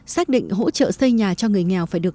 xác định hỗ trợ xây nhà cho người nghèo phải được